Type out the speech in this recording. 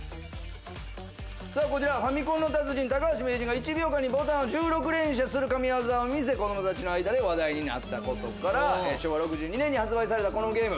こちらはファミコンの達人高橋名人が１秒間にボタンを１６連射する神業を見せ子供たちの間で話題になったことから昭和６２年に発売されたゲーム。